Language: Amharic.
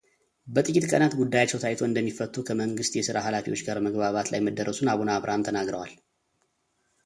በጥቂት ቀናት ጉዳያቸው ታይቶ እንደሚፈቱ ከመንግሥት የሥራ ኃላፊዎች ጋር መግባባት ላይ መደረሱን አቡነ አብረሃም ተናግረዋል።